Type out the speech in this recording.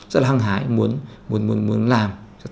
rất là hăng hái muốn làm